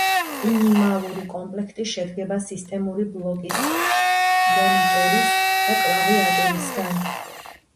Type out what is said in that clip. ინიმალური კომპლექტი შედგება სისტემური ბლოკის, მონიტორის და კლავიატურისგან.